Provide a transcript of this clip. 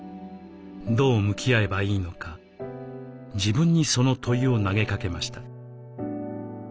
どう向き合えばいいのか自分にその問いを投げかけました。